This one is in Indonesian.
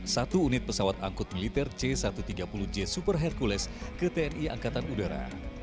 satu unit pesawat angkut militer c satu ratus tiga puluh j super hercules ke tni angkatan udara